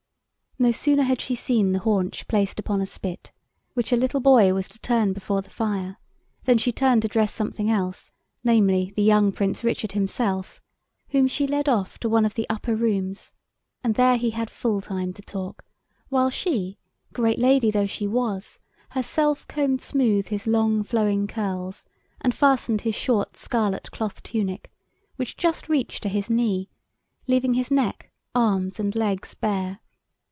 No sooner had she seen the haunch placed upon a spit, which a little boy was to turn before the fire, than she turned to dress something else, namely, the young Prince Richard himself, whom she led off to one of the upper rooms, and there he had full time to talk, while she, great lady though she was, herself combed smooth his long flowing curls, and fastened his short scarlet cloth tunic, which just reached to his knee, leaving his neck, arms, and legs bare.